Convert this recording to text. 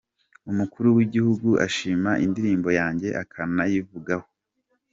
umukuru w’igihugu ashima indirimbo yanjye akanayivugaho.